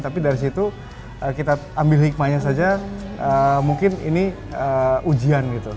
tapi dari situ kita ambil hikmahnya saja mungkin ini ujian gitu